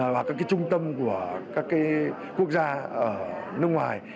và các trung tâm của các quốc gia ở nước ngoài